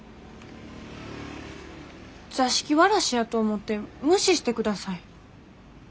座敷わらしやと思って無視してください。